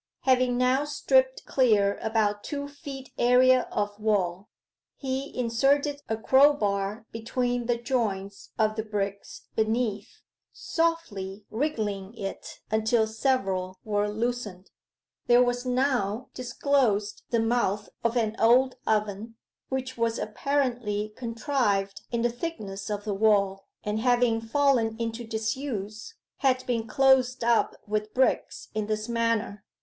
Having now stripped clear about two feet area of wall, he inserted a crowbar between the joints of the bricks beneath, softly wriggling it until several were loosened. There was now disclosed the mouth of an old oven, which was apparently contrived in the thickness of the wall, and having fallen into disuse, had been closed up with bricks in this manner.